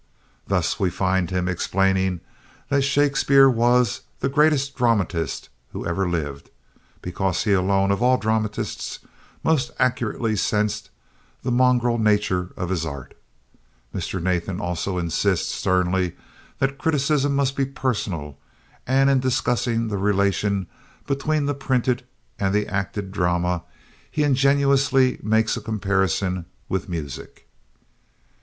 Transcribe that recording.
Thus we find him explaining that Shakespeare was "the greatest dramatist who ever lived, because he alone of all dramatists most accurately sensed the mongrel nature of his art." Mr. Nathan also insists sternly that criticism must be personal, and in discussing the relation between the printed and the acted drama he ingeniously makes a comparison with music.